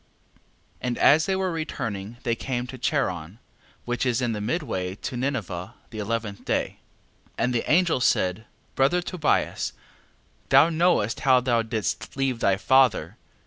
11:1. And as they were returning they came to Charan, which is in the midway to Ninive, the eleventh day. 11:2. And the angel said: Brother Tobias, thou knowest how thou didst leave thy father.